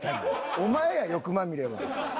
お前や欲まみれは。